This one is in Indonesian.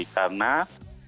karena kami mengenai produk ini